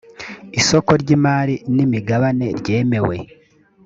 isoko ry’imari n’imigabane ryemewe